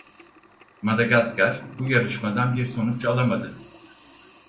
Madagaskar bu yarışmadan bir sonuç alamadı.